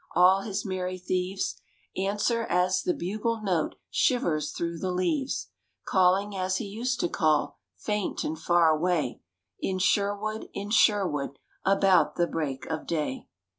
All his merry thieves Answer as the bugle note shivers through the leaves: Calling as he used to call, faint and far away, In Sherwood, in Sherwood, about the break of day.